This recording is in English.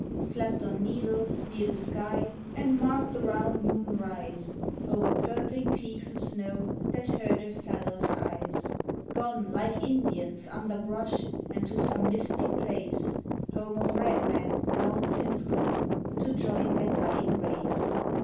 Slept on needles, near th' sky, and marked th' round moon rise Over purpling peaks of snow that hurt a fellow's eyes. Gone, like Indians, under brush and to some mystic place Home of red men, long since gone, to join their dying race.